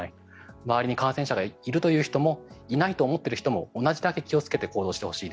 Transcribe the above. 周りに感染者がいるという人もいないと思っている人も同じぐらい気をつけてほしい。